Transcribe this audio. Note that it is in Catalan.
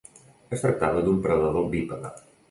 Es tractava d'un predador bípede.